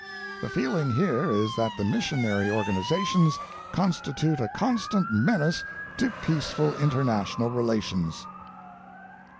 The feeling here is that the missionary organizations constitute a constant menace to peaceful international relations."